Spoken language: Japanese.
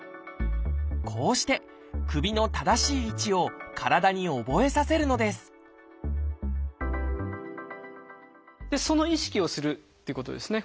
こうして首の正しい位置を体に覚えさせるのですその意識をするっていうことですね。